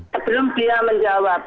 sebelum dia menjawab